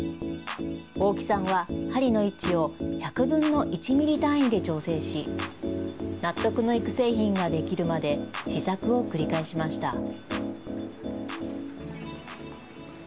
大木さんは、針の位置を１００分の１ミリ単位で調整し、納得のいく製品ができるまで試作を繰り返しました。